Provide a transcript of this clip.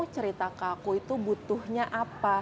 cerita ke aku itu butuhnya apa